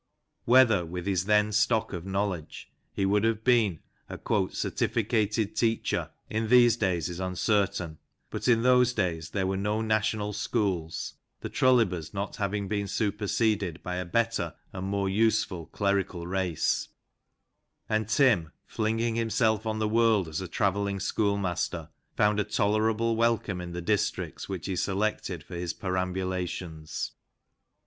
Wliether, with his then stock of knowledge, he would have been a " certificated teacher " in these days is uncertain, but in those there were no National schools, the Trullibers not having been superseded by a better and more useful clerical race; and Tim, flinging himself on the world as a travelling schoolmaster, found a tolerable welcome in the district which he selected for his perambulations.